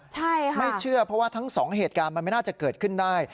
ใช่ค่ะไม่เชื่อเพราะว่าทั้งสองเหตุการณ์มันไม่น่าจะเกิดขึ้นได้